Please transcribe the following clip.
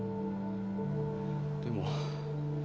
でも。